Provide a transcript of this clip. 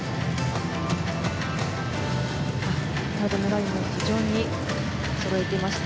ラインも非常にそろえていました。